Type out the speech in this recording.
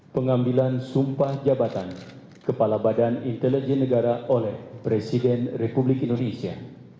pengambilan sumpah jabatan kepala badan intelijen negara oleh presiden republik indonesia